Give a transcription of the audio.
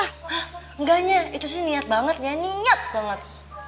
hah enggaknya itu sih niat banget nyonya niat banget